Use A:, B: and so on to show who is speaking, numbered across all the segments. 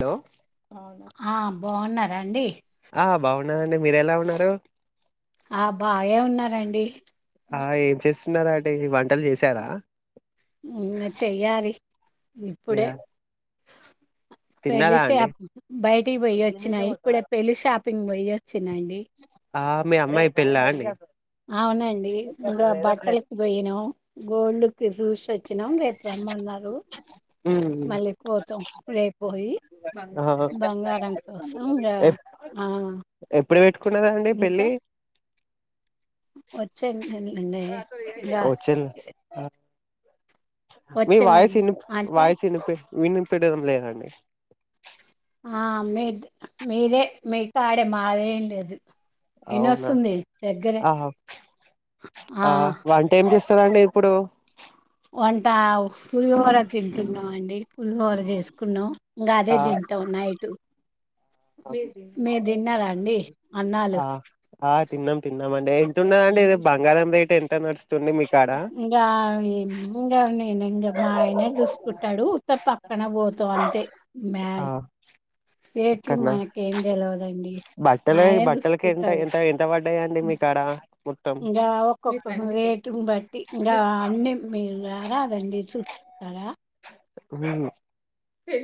A: Hello
B: అవునా ఆ బాగున్నారా అండీ
A: ఆ బాగున్న నండి మీర ఎలా ఉన్నారు
B: ఆ బాగే ఉన్నారండి
A: ఆ ఏం చెస్ తిన్నారా అంటే ఏ వంటల్ చేశారా
B: ఇ చేయాలి ఇప్పుడే
A: తిన్నారా
B: పేలిసే
A: అండి
B: అప్ బయటికి పోయి వచ్చినాయి ఇప్పుడే పిలిసా అప్ పింగ్ వైఎ చిన్నయింది
A: ఆ మీ అమ్మాయి పెళ్ళ అండి
B: అవునండి ఇంకా బట్టలకి పోయినం గోల్డ్ కి చూస్ వాచ్ వచ్చినాం రేపు రమ్మన్నారు
A: ఉమ్,
B: మళ్ళీ పోతాం రేపు పోయి
A: ఆ
B: బంగారం కోసం ఇగా
A: ఎ-
B: ఆ
A: ఎప్పుడు పెట్టుకున్నదా అండి
B: ఇంకా
A: పెళ్ళి
B: వచ్చే నెలనే
A: నాతో ఏందీ
B: ఇగ
A: రా ఓచిన్ ఆ మీ
B: వచ్చే
A: వాయిస్
B: నెల
A: ఇన్ ప్
B: అంటే
A: వాయిస్ ఇను పే విన్ వినబడడం లేదండి
B: ఆ మెద్ మీరే మీ కాడే మాదేం లేదు
A: అవునా
B: ఇనొస్తుంది దగ్గరే
A: ఆహా ఆ వంట ఏం చేస్ ఉంటది అండి ఇప్పుడు
B: తింటున్నా అండి పులిహోర చేసుకున్నాం ఇంకా అదే
A: ఆ
B: తింటా ఉన్న ఎటు అన్నాలు
A: ఆ ఆ తిన్నాం తిన్నామ అండి ఎంతన్నాదండి ఇది బంగారం రేట్ తన వార్డ్
B: ఇకా ఇంకా నేను ఇం మా ఆయనే చూసుకుంటాడు తప్ప పక్కన పోత అంతే
A: ఆ
B: మ్యాచ్ రేట్లు
A: అక్కడనా
B: మనకు ఏం తెలియదండి ఆయనే చూసుకుంటాడు
A: డ అండి మీ కాడ
B: ఇంకా ఒక్కొక్క రేటుని బట్టి ఇంకా అన్ని మీరు రారా రండి చూస్తారా
A: మ్మ్
B: పె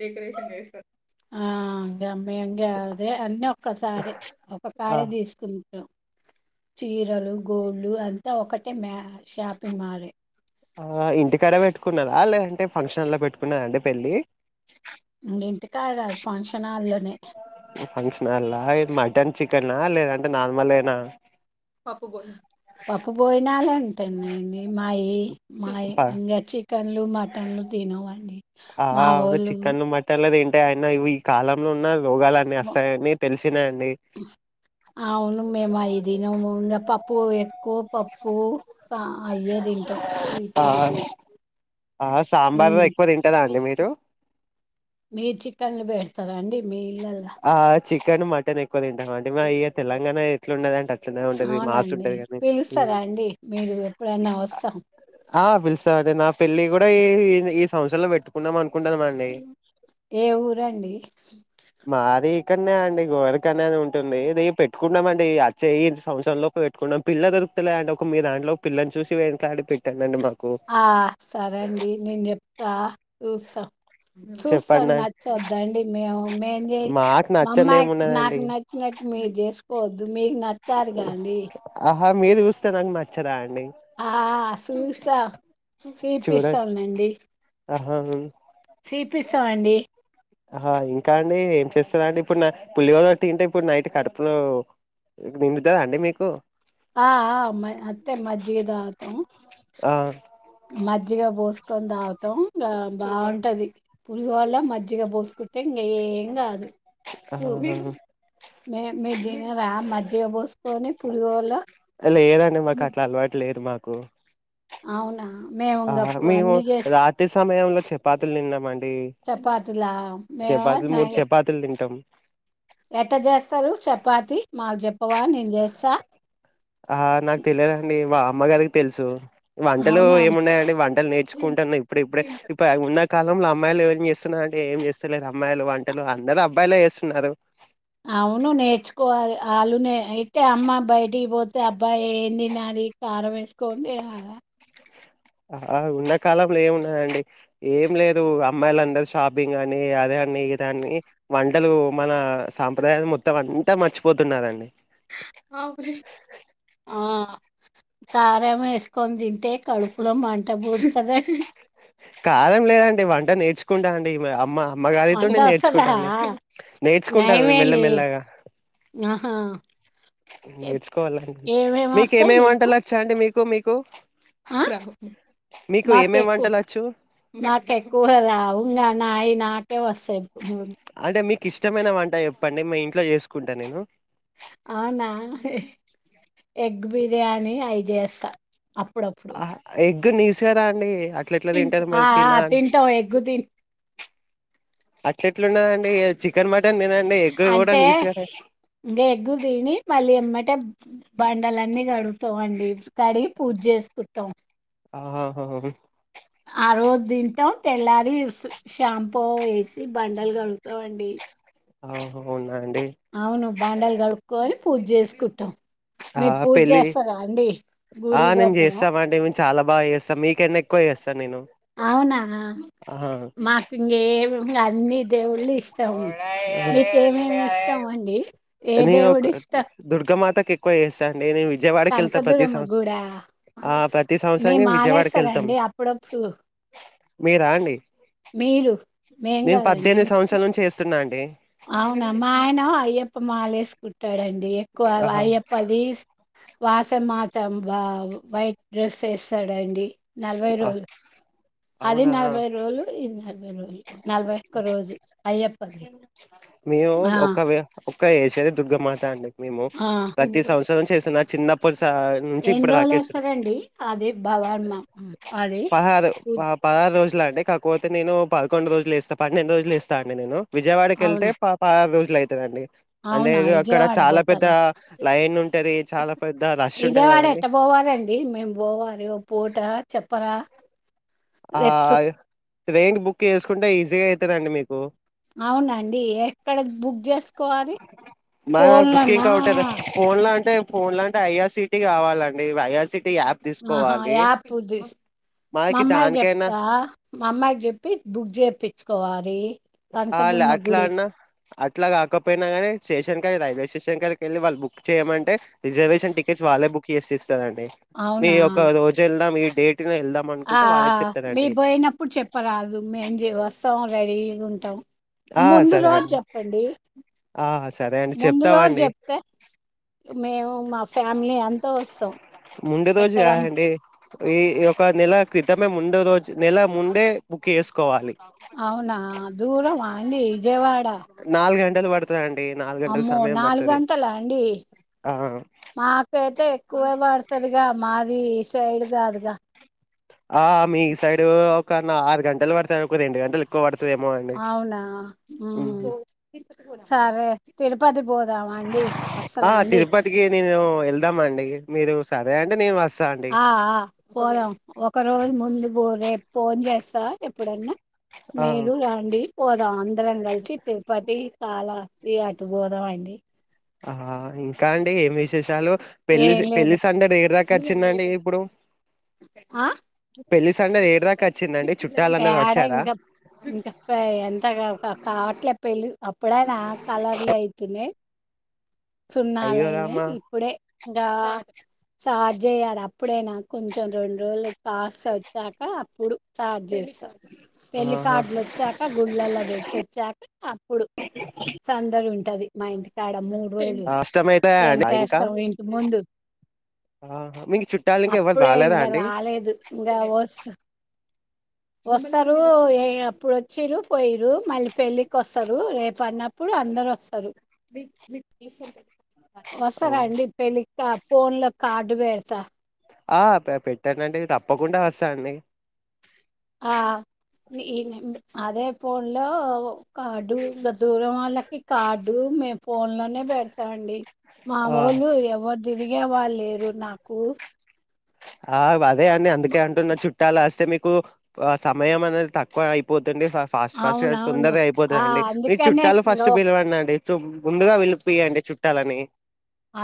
B: డెరేషన్ చేస్త కా మ అదే అన్న ఒసారి ఒక
A: ఆ,
B: కాడే తీసుకుంటాం చీరలు గోళ్ళ అంతా ఒకటే మ
A: ఆ ఇంటికాడ పెట్టుకు నారా లేదంటే ఫంక్షన్ లో పెట్టుకున్నారాండి పెళ్ళి
B: ఇంటి కాడ ఫంక్షన్ హాల్లోనే
A: ఫంక్షన్ హాల్ నా ఈ మట్టన్ చికెనా లేదంటే నార్మల్నా
B: పాపు బోలే పప్పు పోయినాలండి తన్నాయండి మావి మావి
A: ప-
B: ఇంకా చికెన్లు మటన్లు తినవండి మావూలు
A: అంటే అయిన ఇవి ఈ కాలంలో ఉన్న రోగాలన్నీ వస్తాయని తెలిసినాయండి
B: అవును మేము అయదినము నా పప్పు కోపప్పు అయ్యే తింటాం
A: ఆ
B: [unintelligible]
A: ఆ సాంబార్
B: ఉమ్.
A: ఎక్కువ తింటదా అండి మీరు
B: ఇస్తారా అండి మీ ఈళ్లల్ల
A: [unintelligible] తింటాము అంటే మా ఇ తెలంగాణ ఎట్లుండది అంటే అట్లనే ఉంటది మాస్
B: అవునండి
A: ఉంటది కాని
B: పిలుస్తారా అండి మీరు ఎప్పుడైనా వస్తాం
A: ఆ పిలుసామండి నా పెళ్లి కూడా ఈ ఈ సంవత్సరా లో పెట్టుకున్నాం అను
B: ఏ ఊరండి
A: మది ఇక్కడనే అండి గోరకనే ఉంటుంది అది పెట్టుకున్నాంమండిచ్చేయ్యి సంవత్సరంలో లోపు పెట్టుకున్నాం పిల్ల దొరుకుతులే అండి ఒక మీ దాంట్లో పిల్లని చూసి వెనలాడి పెట్టానండి
B: ఆ సరేండి నేను చెప్తా చూస్తా
A: చెప్పండి
B: చూస్తాను
A: అండి.
B: నచ్చద్దండి మేము మేం చే
A: మాకు
B: మా
A: నచ్చంది
B: అమ్మాయి
A: ఏమున్నదండి
B: నాకు నచ్చినట్టు మీరు చేసుకోవద్దు దు మీకు నచ్చార్గండి
A: ఆ మీరు చూస్తానాం నాచ్చాదాని
B: ఆ సూస్తా తీపిస్తాంలెండి
A: అహం
B: తీపిస్తాం అండి
A: ఆహా ఇంకా అండి ఏం చేస్తదండి ఇప్పుడు పుల్లిగోద తింటే ఇప్పుడు నైట్ కడుపులో నిండుతదా అండి మీకు
B: ఆ ఆ మ అంతే మజ్జిగ దాగుతాం
A: ఆ
B: మజ్జ్ మజ్జిగ పోసుకొని దాగుతాం గా బాగుంటది పులిహోల మజ్జిగ పోసుకుంటే ఇంగా ఏం కాదు పు
A: ఆహహ
B: మే మీదినరా మజ్జిగ పోసుకొని పుడిగోళ
A: లేదండి మాకట్లా అలవాటు లేదు మాకు కు
B: అవునా. !
A: ఆ మేము రాత్రి సమయంలో చపాతీలు తిన్నాం అండి.
B: చపాతిలా
A: చపాతీలు, మూడు
B: మేము
A: చపాతీలు తింటాం
B: ఎట్ట జేస్తారు చపాతి మాకు జెప్పవా నేను జేస్తా
A: ఆ నాకు తెలియదండి మా అమ్మగారికి తెలుసు వంటలు
B: అవునా
A: ఏమున్నాయండి వంటలు నేర్చుకుంటున్నా ఇప్పుడు ఇప్పుడే ఇప్పుడు ఉన్న కాలంలో ఆ అమ్మాయిలు ఏం చేస్తున్నారండి ఏం చేస్తలెరూ అమ్మాయిలు వంటలు అందరు అబ్బాయిలే చేస్తున్నారు
B: అవును నేర్చుకోవాలి అళ్ళు నె ట్టె అమ్మ బయటి బొతే తే అబ్బాయి ఏందినాలి కారమెసుకోని తినాల
A: ఆహా ఉన్నకాలంలో ఏమున్నాదండి? ఏం లేదు అమ్మాయిలందరు షాపింగ్ అని అదని ఇదని వంటలు మన సాంప్రదాయం మొత్తం అంతా మర్చిపోతున్నరండి
B: ఆ కారం ఎసుకొని తింటే కడుపులో మంట పూడతద
A: కారం లేదండి వంట నేర్చుకుంటా అండి అమ్మ మ్మ
B: వంట
A: గారితోనే
B: వస్తదా
A: నేర్చుకుంటానండి నేర్చుకుంటాను
B: నయమేలే
A: మెల్లమెల్లగా
B: ఆహా
A: నేర్చుకోవాలండి
B: ఏమేమి
A: మీకు ఏమేమి వంటలోచ్చాండి మీకు మీకు
B: ఆ..
A: మీకు ఏమేమి
B: మాకెక్కు
A: వంటలు వచ్చు
B: మాకెక్కువా రావు నానాయి నాకే వస్సయి
A: అంటే మీకిష్టమైన వంట ఎప్ చెప్పండి మీ ఇంట్లో జేసుకుంటా నేను
B: అవ్నా ఎ గ్ బిర్యానీ ఐజేస్స అప్పుడప్పుడు
A: గ్ నీస్ కదా అండి అట్ల ఎట్లా తింటది
B: ఆ
A: మరి తిన
B: ఆ
A: అని
B: తింటాం ఎగ్గు తిన్
A: అట్లేట్లున్నా చికన్ మ
B: అంటే ఇంగ ఎగ్గు తిని మళ్ళీ ఎంమ్మటే బండలన్నీ గడుగుతం అండి తడి పూజ చేసుకుంటాం
A: ఆహా
B: ఆ రోజు దింటం తెల్లారి ఇ షాంపొ ఎసి బండలు కలుగుతామండి
A: అహహోనా
B: అవును బండలు గడుక్కోనీ పూజే స్కూటం
A: ఆ పెళ్ళి ఆ
B: గుడికి
A: నేను
B: పోతారా
A: చేస్తామండి మేము చాలా బాగా చేస్తాం మీకన్న ఎ క్కువ చేస్తా నేను
B: అవునా మాకుంగే మ్మ్ గాద్ అన్ని దేవుళ్ళు ఇష్టం మీకేమేమి
A: ఆహా
B: ఇష్టం అండి ఏ దేవుడు ఇస్ట
A: కెక్కువ చేస్తాను ఏ దేవు విజయవాడకి వెళ్తా ప్రతి సంవత్స
B: గుడా
A: ఆ ప్రతి
B: మేము
A: సంవత్సరానికి విజయవాడకి వెళ్తాం
B: మాలేస్తారండి అప్పుడప్పుడు.
A: మీరా అండి
B: మీరు మేం
A: నేను
B: గాదండి.
A: పద్దెనిమిది సంవత్సరాల నుంచి ఏస్తున్నండి డి
B: అవునా మా ఆయన అయ్యప్ప మాల ఏసుకుంటాడండి డి ఎక్కువ అవ్
A: ఆహా
B: అయ్యప్ప ది వాసం మాత్రం వా వైట్ డ్రెస్ వేస్తాడండి నలభై
A: ఆ,
B: రోజులు అది
A: అవునా
B: నలభై రోజులు ఇది నలభై రోజులు నలభై ఒక్క రోజు అయ్యప్పది
A: మేము
B: ఆ!
A: ఒక్క వీ ఓ స్త ఏసేది దుర్గమాత అండి మేము
B: ఆ!
A: ప్రతి సంవత్సరం చేస్తున చిన్నప్పటి నుంచి సా నుంచి
B: ఎన్ని
A: ఇప్పుడు దాకా ఏస్తున్న
B: రోజులేస్తారండి అది భవన్మ అది?
A: పదహారు ఆ పదహారు రజులు అం కాకతే నేను పదకొం రోజులు ఇస్తా పన్నెండు రజులు ఇస్తా నేను విజయవాడకి వెళ్తే
B: అవునా?
A: పా పా ఇట్ల అతుందండి
B: అవునా విజయవాడ పోతారా
A: లైన్ ఉంటది చాలా పెద్ద రష్ ఉంటది
B: విజయవాడ
A: కదండి
B: ఎట్లపోవాలండి మేము పోవాలఒపూట చెప్ప ప
A: ఆ ట్రైన్ బుక్ చేసుకుంటే ఈజీగా అయి వత్తదండి మీకు
B: అవునండి ఎక్కడ బుక్ చేసుకోవాలి
A: మరి
B: ఫోన్లోన్న
A: ఫోన్లో అంటే ఐఆర్సిటీ కావాలండి ఐ సిటీ యాప్ తీసుకోవాలి
B: అమ్మాయి
A: దానికైనా
B: చెప్తా మా అమ్మాయి చెప్పి బుక్ చేపించుకోవాలి
A: అ అట్లా అన్నా అట్లా కాకపోయినా కాని శేషన్కా రైల్వేస్టేషన్ కాడి కెళ్ళి వాళ్ళ బుక్ చేయమంటే రిజర్‌వేషన్ టికెట్ వాళ్ళెబుక్ చేస్తే తండి మీ
B: అవునా?
A: ఒక రోజుల్లా మీ
B: ఆ ఆ మీర్ పోయినప్పుడు చెప్పరాదు మేం జే వస్తామో రెడీ ఉంటాం
A: ఆ
B: ముందు రోజ్ చెప్పండి
A: అదెఅండి
B: ముందు రోజు
A: చెప్తామండి
B: చెప్తే మేము మా ఫ్యామిలీ అంతా వస్తాం
A: ముందు రోజు
B: ఎట్టరం
A: కాదండి ఈ ఒక నెల క్రితం ముండే రోజు నెల ముండే బుక్ చేసుకోవాలి
B: అవునా దూరమా అండి విజవాడ
A: నాల్గుంట ఇబ్బందివాడు
B: అమ్మో నాలుగు గంటల అండి
A: ఆ
B: మాకైతే ఎక్కువే పడుతుందిగా మా ది సైడ్ గాదుగ
A: ఆ మీ సైడ్ ఆరు గంటలు పడుతాది ఒక రెండుగంటలు ఎక్కు వ పడుతది
B: అవునా ఉమ్ సరే తిరుపతి పోదామా అండి
A: ఆ
B: వస్తరా అండి
A: తిరుపతికి నెను ఎల్దామా అండి మీరు సా వేండ నెను వస్తా అండి
B: అఆ పోదం ఒక రోజు ముందు పో రేపు ఫోన్ చేస్తా ఎప్పుడన్నా
A: ఆ
B: మీరు రాండి పోదాం అందరం కలిసి తిరుపతి చాలా ఈ అటు పోదాం అండి
A: ఆ ఇంకా అండి ఏం విశేషాలు పెళ్లి
B: ఏం లేదు
A: పెళ్లి సందడి ఏడి దాకా వచ్చిందండి ఇప్పుడు పెళ్లి సందడి ఏడి దాకా వచ్చిందండి చుట్టాలందరు
B: తేడా
A: వచ్చారా
B: ఇంకా ఇంకా ఎంత కావట్లే పెళ్ళి అప్పుడ నా కలర్లే అయితున్నా
A: అయ్యో
B: సున్నాలని
A: రామా
B: ఇప్పుడే ఆ చార్జ్ చేయ్యారు అప్పుడేనా కొంచెం రెండు రోజులు కాస్ వచ్చాక అప్పుడు చార్జ్ చేస్తారు
A: ఆహా
B: పెళ్లికట్లు వచ్చాక గుళ్ళలో పెట్టిచ్చాక అప్పుడు సందడి ఉ ఉంటది మా ఇంటకాడ మూడు రోజులు
A: కష్టమైతా అంట
B: టెంట్
A: ఇంకా
B: వేస్తాం ఇంటి ముందు
A: ఆహా, మీకు చుట్టాలు ఇంక ఎవరు
B: అప్పుడే
A: రాలేదా
B: ఇంకా
A: అండి
B: రాలేదు ఇంకా వస్త వస్తారు ఏ అప్పుడు వచ్చారు పోయిరు మళ్ళీ పెళ్ళికి వస్తారు రేపు అన్నప్పుడు అందరు వస్తారు
A: అవును.
B: వస్తారండి పెళ్ళక ఫోన్ లో కార్డు వేడతా
A: ఆ పెట్టానండి తప్పకుండా వస్తాండి
B: ఆ అదే ఫోన్ లో కార్డు దూరం వాళ్ళకి కార్డు మే ఫోన్ లోనే పెడతా అండి మా
A: ఆ
B: వోళ్ళు ఎవద్ తిరిగే వాళ్ళు లేరు నాకు
A: ఆ బ అదే అని అందుకే అంటున్న చుట్టాలు వస్తే మీకు కు ఆ సమయం అనేది తక్కువ అయిపోతు ఫాస్ట్ ఫాస్ట్గా
B: అవునవును
A: తొందరగా
B: ఆ
A: అయిపోతుందిండి మీ
B: అందుకనే
A: చుట్టాలు ఫస్ట్
B: ఇంగో
A: పిలవండి అండి ముందుగా వెళ్ళిపోయాండి చుట్టాలని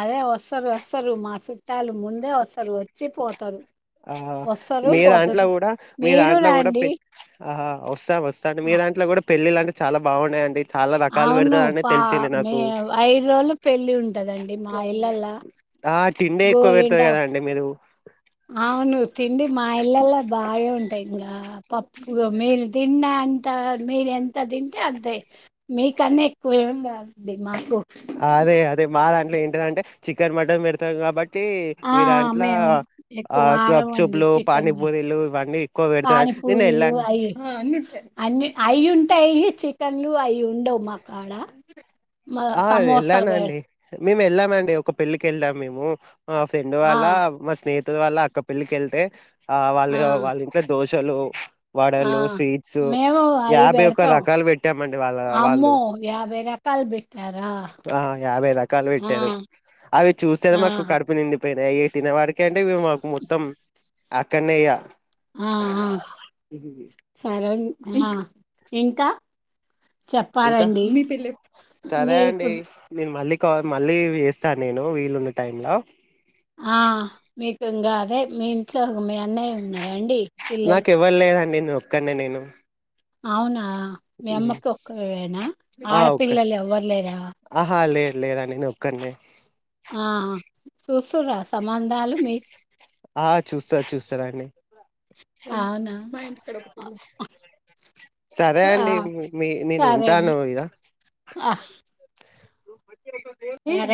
B: అదే వస్తారు వస్తారు మా చుట్టాలు ముందే వస్తారు వ
A: ఆ మీ దాంట్లో
B: పోతారు
A: కూడా మీ
B: మీరు
A: దాంట్లో కూడా
B: రండి
A: ఆహా వస్తా వస్త స్త మీ
B: ఆ!
A: దాంట్లో కూడా పెళ్ళిల అంట చాల బాగున్నాయండి చాలా రకాలు
B: అవును
A: పెడతారండి
B: పా
A: తెలిసింది
B: మె
A: నాకు
B: ఐదు రోజులు పెళ్లి ఉంటందండి మా ఇళ్ళలా
A: ఆ తిండే ఎక్కువ
B: గోరింట
A: పెడతారు కదండి మీరు
B: అవును తిండి మా ఇల్లలా బాగే ఉంటాయి ఇంకా పప్పుగా మే తిన్న అంత మీర ఎంత తింటే అంతే మీకన్నా ఎక్కువ ఏం కాదండి మాకు
A: అదే అదే మా దాంట్లో ఏంటిది చికెన్ మటన్ పెడతాం కాబట్టి
B: ఆ
A: మీ దాంట్లో
B: మేము
A: ఆ
B: ఎక్కువ ఆడ అండి
A: గప్చుప్లు
B: చికెన్
A: పానీపూరీలు ఇవన్నీ ఎక్కువ పెడతారు
B: పానీ
A: నిన్న
B: పూరీలు
A: వెళ్ళండి
B: అవి అన్ని అవి ఉంటాయి చికెన్లు అయి ఉండవు మా కాడ మా
A: ఆ
B: సమోసా పెడ్
A: ఎళ్ళానండి మేము వెళ్ళామండి ఒక పెళ్ళి కెళ్లాం మేము ఆ ఫ్రెండ్
B: ఆ
A: వాళ్ళ మా స్నేహి ప వల్ల అక్క పళ్లికెళ్తే ఆ వాళ్ళు వాళ్ళు ఇంకా దోష చలు
B: ఆ
A: వడలు స్వీట్స్
B: మేము అయి
A: యాభై ఒక
B: పెడతాం
A: రకాలు పెట్టామండి వాళ్ళ వాళ్ళు
B: అమ్మో! రకాలు బెట్టారా?
A: ఆ యాభై రకాలు
B: ఆ!
A: పెట్టారు అవి చూస్తేది
B: ఆ!
A: మాకు కడుపు నిండి పె పై తినవడితిని కంటే మాకు మొత్తం అక్కడ్నే ఇగ
B: ఆ ఆ సారా ఆ ఇంకా
A: ఇంకా
B: చెప్పాలండి మీ పల్ల మీకు
A: కాల్ మళ్ళీ వేస్తాను నేను వీలున్న టైమ్ లో
B: ఆ మీకు ఇంకా అదే మీ ఇంట్లో ఉమ అన్నయ ఉన్న అండి పిల్లలు
A: ఒక్కనేే నేను
B: అవునా మీ అమ్మకి ఒక్కవేనా
A: ఆ ఒక్క
B: ఆడపిల్లలు ఎవ్వరులేరా
A: క
B: ఆ చూస్తురా సంబంధాలు మీ
A: ఆ చూస్తారు చూస్తారండి
B: అవునా మా ఇంటి కడ
A: సరే అండి మీ నేను
B: సరే
A: ఉంటాను
B: అండి.
A: ఇద
B: ఆ ే